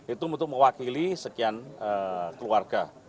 itu untuk mewakili sekian keluarga